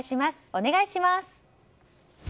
お願いします。